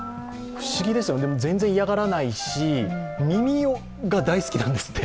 不思議ですよね、全然嫌がらないし、耳が大好きなんですって。